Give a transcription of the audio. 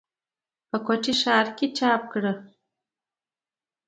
پۀ کوټه ښارکښې چاپ کړه ۔